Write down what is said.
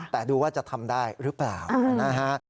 แต่ดูว่าจะทำได้หรือเปล่านะฮะ